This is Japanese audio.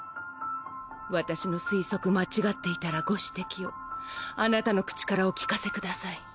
私の推測間違っていたらご指摘をあなたの口からお聞かせ下さい。